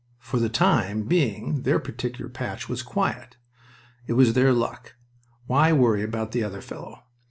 For the time being their particular patch was quiet. It was their luck. Why worry about the other fellow?